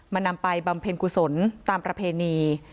นำไปบำเพ็ญกุศลตามประเพณี